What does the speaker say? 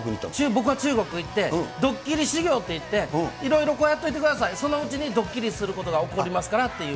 僕は中国に行って、ドッキリ修行っていって、いろいろこうやっておいてください、そのうちにドッキリすることが起こりますからっていう。